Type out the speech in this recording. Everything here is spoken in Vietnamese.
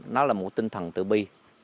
nó là một tinh thần tự bi